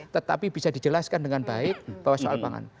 tetapi bisa dijelaskan dengan baik bahwa soal pangan